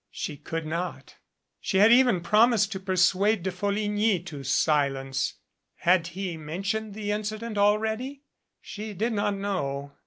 She could not. She had even promised to persuade De Folligny to silence. Had he mentioned the incident already? She did not know.